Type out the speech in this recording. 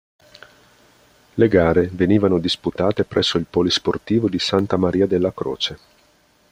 Le gare venivano disputate presso il polisportivo di Santa Maria della Croce.